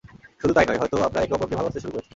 শুধু তাই নয়, হয়তো আমরা একে অপরকে ভালবাসতে শুরু করেছি।